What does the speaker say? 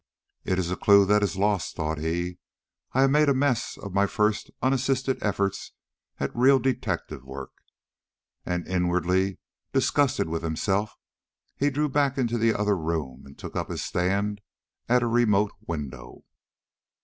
"It is a clue that is lost," thought he. "I have made a mess of my first unassisted efforts at real detective work." And, inwardly disgusted with himself, he drew back into the other room and took up his stand at a remote window.